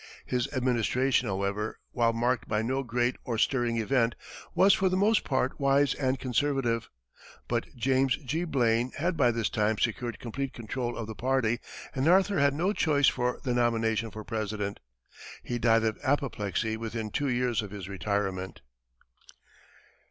His administration, however, while marked by no great or stirring event, was for the most part wise and conservative, but James G. Blaine had by this time secured complete control of the party, and Arthur had no chance for the nomination for President. He died of apoplexy within two years of his retirement.